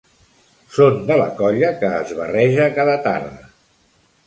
Són de la colla que es barreja cada tarda.